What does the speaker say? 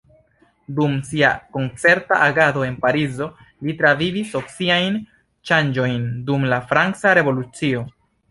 Dum sia koncerta agado en Parizo li travivis sociajn ŝanĝojn dum la franca revolucio.